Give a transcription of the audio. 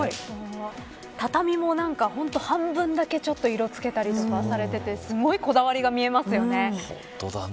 畳も半分だけ、ちょっと色付けたりとかされていてすごいこだわりが見えますよね。